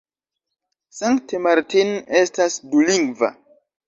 Sankt Martin estas dulingva.